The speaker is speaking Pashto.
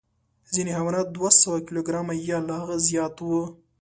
ځینې حیوانات دوه سوه کیلو ګرامه یا له هغه زیات وو.